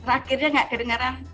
akhirnya nggak kedengeran